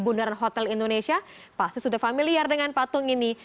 bundaran hotel indonesia pasti sudah familiar dengan patung ini